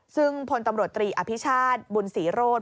ซึ่งพลตำรวจตรีอภิชาติบุญศรีโรธ